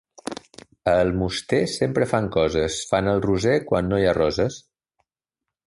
A Almoster sempre fan coses: fan el roser quan no hi ha roses.